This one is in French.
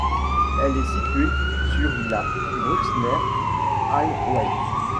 Elle est située sur la Bruxner Highway.